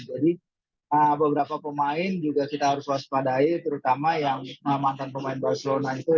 jadi beberapa pemain juga kita harus waspadai terutama yang mantan pemain barcelona itu